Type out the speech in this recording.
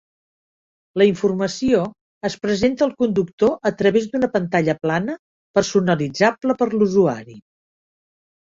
La informació es presenta al conductor a través d'una pantalla plana personalitzable per l'usuari.